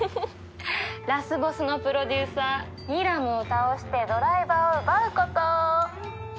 ラスボスのプロデューサーニラムを倒してドライバーを奪うこと！